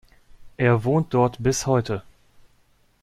Er wohnt dort bis heute.